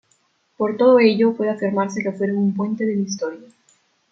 Por todo ello puede afirmarse que fueron un puente de la historia.